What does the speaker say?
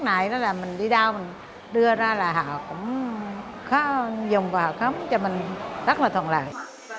bệnh đó là mình đi đâu mình đưa ra là họ cũng khó dùng và họ khám cho mình rất là thuận lợi